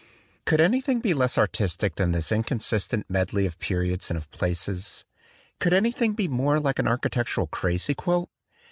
Could anything be less artistic than this in consistent medley of periods and of places? Could anything be more like an architectural crazy quilt?